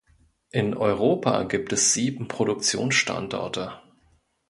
In Europa gibt es sieben Produktionsstandorte.